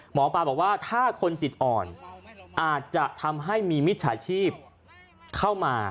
หมอปลาบอกว่าถ้าคนจิตอ่อนอาจจะทำให้มีมิจฉาชีพเข้ามา